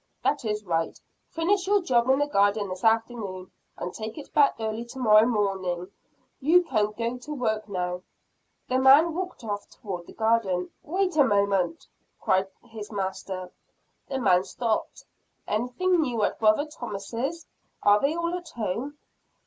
"That is right. Finish your job in the garden this afternoon, and take it back early tomorrow morning. You can go to work now." The man walked off toward the garden. "Wait a moment!" his master cried. The man stopped. "Anything new at brother Thomas's? Are they all at home?"